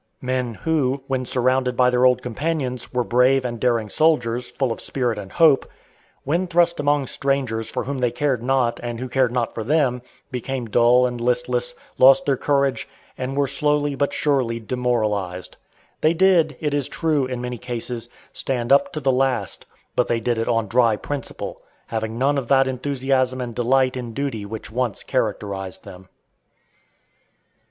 Men who, when surrounded by their old companions, were brave and daring soldiers, full of spirit and hope, when thrust among strangers for whom they cared not, and who cared not for them, became dull and listless, lost their courage, and were slowly but surely "demoralized." They did, it is true, in many cases, stand up to the last, but they did it on dry principle, having none of that enthusiasm and delight in duty which once characterized them.